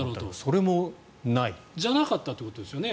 そうじゃなかったということですよね。